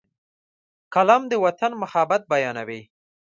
قلم د وطن محبت بیانوي